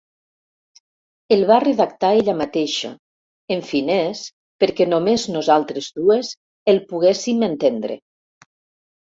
El va redactar ella mateixa, en finès perquè només nosaltres dues el poguéssim entendre.